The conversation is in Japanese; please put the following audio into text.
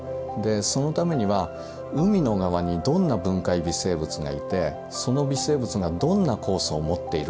そのためには海の側にどんな分解微生物がいてその微生物がどんな酵素を持っているか。